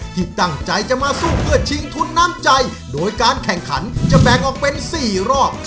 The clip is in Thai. ที่ตั้งใจจะมาสู้เพื่อชิงทุนน้ำใจโดยการแข่งขันจะแบ่งออกเป็น๔รอบ